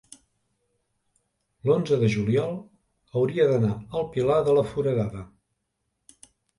L'onze de juliol hauria d'anar al Pilar de la Foradada.